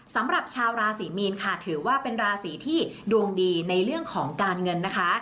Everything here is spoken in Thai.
สำหรับชาวราศรีมีนค่ะถือว่าเป็นราศีที่ดวงดีในเรื่องของการเงินนะคะ